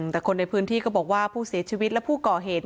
แต่คนในพื้นที่ก็บอกว่าผู้เสียชีวิตและผู้ก่อเหตุ